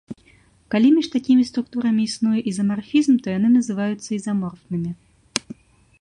Калі між такімі структурамі існуе ізамарфізм, то яны называюцца ізаморфнымі.